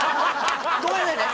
ごめんなさいね。